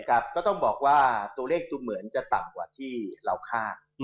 ก็ต้องบอกว่าตัวเลขดูเหมือนจะต่ำกว่าที่เราคาด